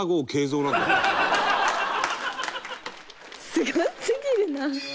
すごすぎるな！